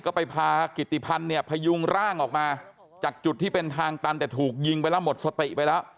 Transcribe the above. ก็ไปพากิติพันธ์เนี่ยพยุงร่างออกมาจากจุดที่เป็นทางตันแต่ถูกยิงไปแล้วหมดสติไปแล้ว